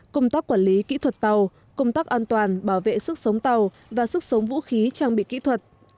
công tác quản lý kỹ thuật tàu công tác an toàn bảo vệ sức sống tàu và sức sống vũ khí trang bị kỹ thuật